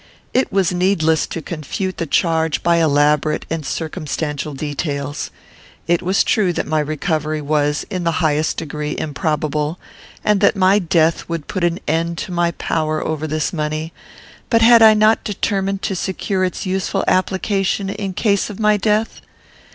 It was needless to confute the charge by elaborate and circumstantial details. It was true that my recovery was, in the highest degree, improbable, and that my death would put an end to my power over this money; but had I not determined to secure its useful application in case of my death?